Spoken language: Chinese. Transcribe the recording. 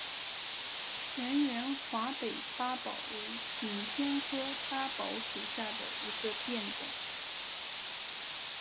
全缘华北八宝为景天科八宝属下的一个变种。